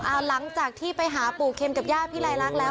อ่าหลังจากที่ไปหาปู่เข็มกับย่าพี่ไรรักแล้ว